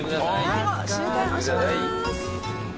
最後終点押します！